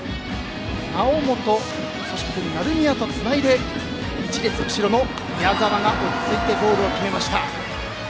猶本、成宮とつなぎ１列後ろの宮澤が落ち着いてゴールを決めました。